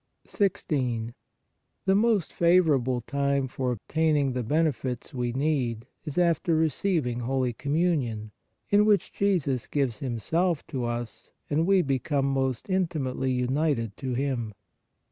1 6. The most favorable time for obtaining the benefits we need is after receiving holy Communion, in which Jesus gives Himself to us and we become most intimately united to Him.